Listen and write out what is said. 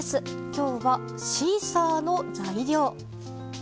今日はシーサーの材料。